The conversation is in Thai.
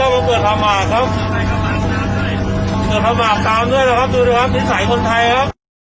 มันแก้ไขอะไรไม่ได้ครับ